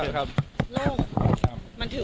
ขอบคุณค่ะ